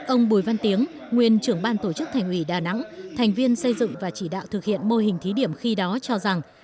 ông bùi văn tiếng nguyên trưởng ban tổ chức thành ủy đà nẵng thành viên xây dựng và chỉ đạo thực hiện mô hình thí điểm khi đó cho rằng